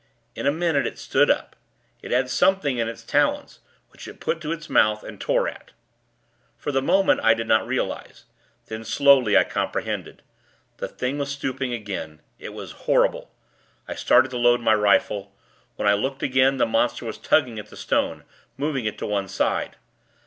In a minute it stood up. It had something in its talons, which it put to its mouth and tore at.... For the moment, I did not realize. Then, slowly, I comprehended. The Thing was stooping again. It was horrible. I started to load my rifle. When I looked again, the monster was tugging at the stone moving it to one side.